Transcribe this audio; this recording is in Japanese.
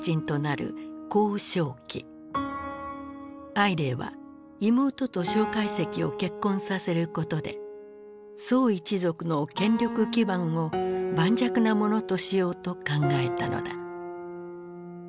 靄齢は妹と介石を結婚させることで宋一族の権力基盤を盤石なものとしようと考えたのだ。